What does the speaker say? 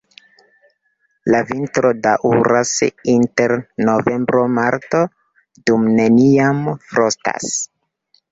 La vintro daŭras inter novembro-marto, dume neniam frostas.